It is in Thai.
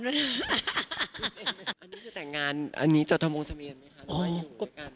อันนี้คือแต่งงานอันนี้เจาะทะมงสะเมียนไหมค่ะ